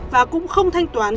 và cũng không thanh toán